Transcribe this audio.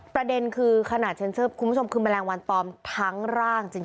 ประเด็นคือขนาดเซ็นเซอร์คุณผู้ชมคือแมลงวันตอมทั้งร่างจริง